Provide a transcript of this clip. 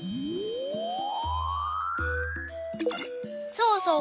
そうそう。